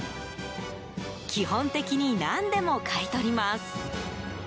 基本的に何でも買い取ります。